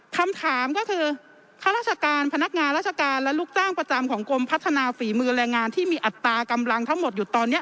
คำถามก็คือข้าราชการพนักงานราชการและลูกจ้างประจำของกรมพัฒนาฝีมือแรงงานที่มีอัตรากำลังทั้งหมดอยู่ตอนนี้